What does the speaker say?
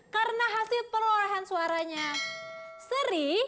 karena hasil perolahan suaranya seri